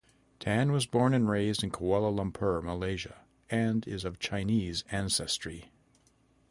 Tan was born and raised in Kuala Lumpur, Malaysia and is of Chinese ancestry.